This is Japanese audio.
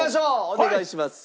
お願いします。